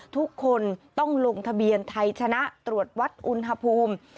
ทุกคนต้องลงทะเบียนไทยชนะตรวจวัดอุณหภูมิ